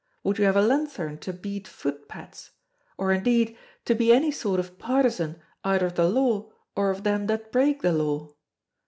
Would you have a lanthorn to beat footpads? Or, indeed, to be any sort of partisan either of the Law or of them that break the Law?